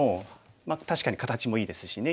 まあ確かに形もいいですしね。